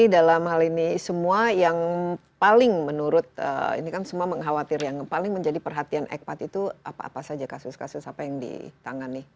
dalam hal ini semua yang paling menurut ini kan semua mengkhawatirkan paling menjadi perhatian ekpat itu apa saja kasus kasus apa yang ditangan nih